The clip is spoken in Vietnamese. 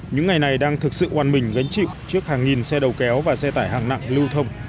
những ngày này đang thực sự oàn mình gánh chịu trước hàng nghìn xe đầu kéo và xe tải hạng nặng lưu thông